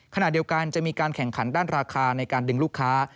ขณะเดียวกันจะมีการแข่งขันด้านราคาในการดึงลูกค้า